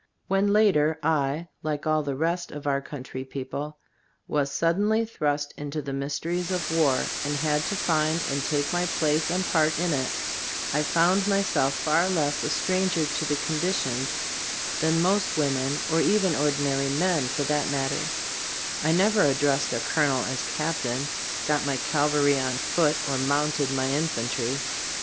When later, I, like all the rest of our coun try people, was suddenly thrust into the mysteries of war, and had to find and take my place and part in it, I found myself far less a stranger to the conditions than most women, or even ordinary men for that matter; Gbe Storg ot Ag Cbllfcbood 23 I never addressed a colonel as cap tain, got my cavalry on foot, or mounted my infantry.